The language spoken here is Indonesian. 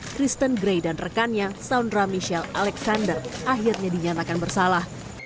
kristen gray dan rekannya saundra michelle alexander akhirnya dinyatakan bersalah